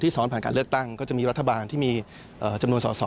ซ้อนผ่านการเลือกตั้งก็จะมีรัฐบาลที่มีจำนวนสอสอ